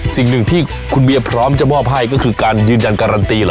สิ่งหนึ่งที่คุณเบียพร้อมจะมอบให้ก็คือการยืนยันการันตีเหรอ